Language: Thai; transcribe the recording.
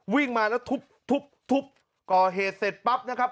วิ่งมาแล้วทุบทุบก่อเหตุเสร็จปั๊บนะครับ